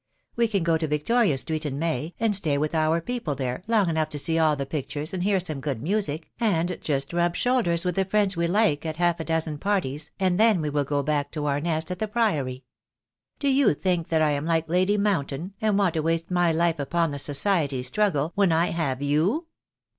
We can go to Victoria street in May, and stay with our people there long enough to see all the pictures and hear some good music, and just rub shoulders with the friends we like at half a dozen parties, and then we will go back to our nest at the Priory. Do you think that I am like Lady Mountain, and want to waste my life upon the society struggle, when I have you?"